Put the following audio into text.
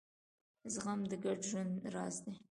زغم د ګډ ژوند راز دی.